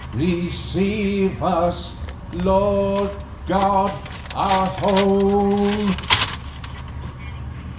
receive us, lord god, our home!